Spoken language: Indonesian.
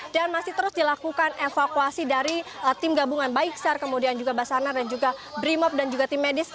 dan masih terus dilakukan evakuasi dari tim gabungan baik sar kemudian juga basanar dan juga brimob dan juga tim medis